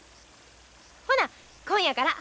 ほな今夜から。